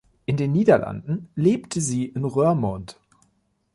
In den Niederlanden lebte sie in Roermond.